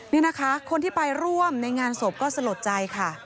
นี่นะคะคนที่ไปร่วมในงานศพก็สลดใจค่ะ